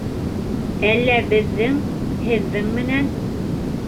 - Әллә беҙҙең... һеҙҙең менән...